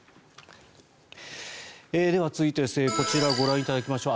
では、続いてこちらをご覧いただきましょう。